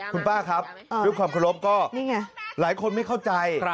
คุณป้าครับด้วยความเคารพก็หลายคนไม่เข้าใจ